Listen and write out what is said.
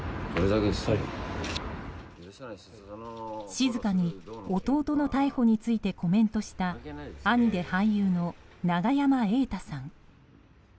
静かに弟の逮捕についてコメントした兄で俳優の永山瑛太さん。